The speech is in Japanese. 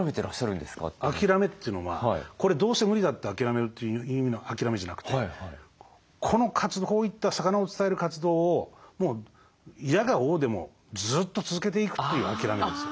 諦めというのは「これどうせ無理だ」って諦めるという意味の諦めじゃなくてこういった魚を伝える活動をもういやがおうでもずっと続けていくという諦めです。